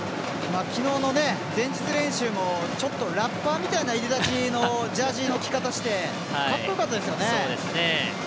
昨日の前日練習もちょっとラッパーみたいないでたちのジャージの着方してかっこよかったですよね。